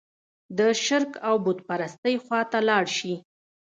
د شرک او بوت پرستۍ خوا ته لاړ شي.